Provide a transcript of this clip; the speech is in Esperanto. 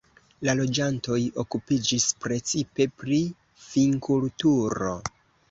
La loĝantoj okupiĝis precipe pri vinkulturo.